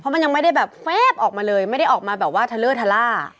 เพราะมันยังไม่ได้แบบแฟ๊บออกมาเลยไม่ได้ออกมาแบบว่าเทล้อเทล่า